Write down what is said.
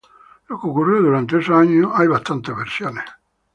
Lo que ocurrió durante esos años hay bastantes versiones.